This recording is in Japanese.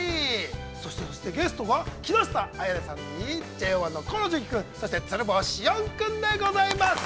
そしてそして、ゲストが、木下彩音さんにＪＯ１の河野純喜君、そして鶴房汐恩君でございます。